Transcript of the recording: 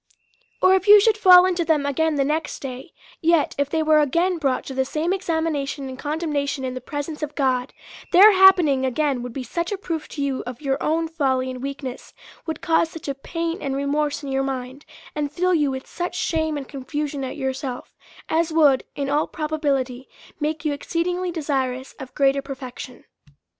Or if you should fall into them again the next day ; yet if they were again brought to the same examination and condemnation in the presence of God, their happening again would be such a proof to you of your own folly and weakness, would cause such a pain and remorse in your mind^ and fill you with such shame and confusion at yourself, as would in all pro bability make you exceedingly desirous of greater perfection.